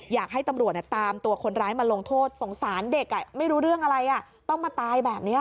อยากให้ตำรวจตามตัวคนร้ายมาลงโทษสงสารเด็กไม่รู้เรื่องอะไรต้องมาตายแบบนี้